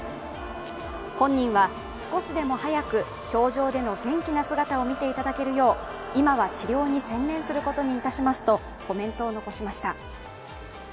本人は、少しでも早く氷上での元気な姿を見ていただけるよう今は治療に専念することにいたしますとコメントを残しました。